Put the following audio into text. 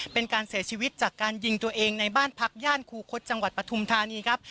เป็นการเสียชีวิตจากการยิงตัวเองในบ้านพักย่านคูคศจังหวัดปฐุมธานีครับ